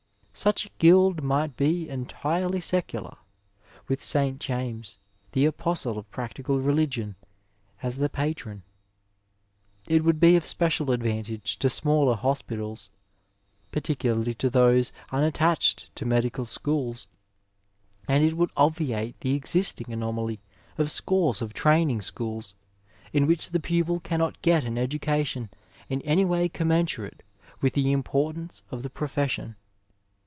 Sach a guild might be entirely secular, with St. James, the Apostle of practical religion, as the patron. It would be of special advantage to smaller hospitals, particularly to those un attached to Medical Schools, and it would obviate the existing anomaly of scores of training schools, in which the pupils cannot get an education in any way com mensurate with the importance of the profession.